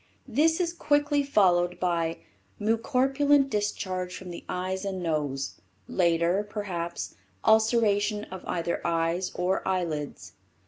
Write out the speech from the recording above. This is quickly followed by mucopurulent discharge from the eyes and nose; later, perhaps, ulceration of either eyes or eyelids.